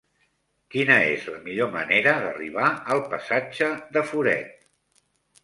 Quina és la millor manera d'arribar al passatge de Foret?